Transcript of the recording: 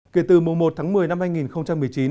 kể từ mùa một tháng một mươi năm hai nghìn một mươi chín